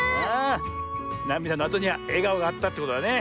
なみだのあとにはえがおがあったってことだね。